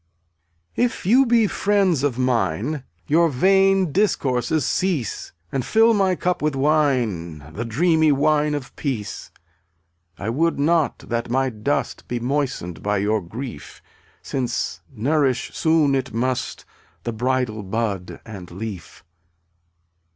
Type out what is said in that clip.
16$ If you befriends of mine tDwi&t Your vain discourses cease ^^ And fill my cup with wine, \K£' The dreamy wine of peace. ftUftA" I would not that my dust iJ Be moistened by your grief Since nourish soon it must The bridal bud and leaf.